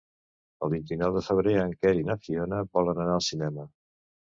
El vint-i-nou de febrer en Quer i na Fiona volen anar al cinema.